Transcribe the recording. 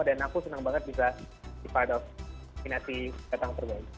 dan aku senang banget bisa di part of nominasi datang terbaik